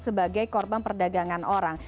sebagai korban perdagangan orang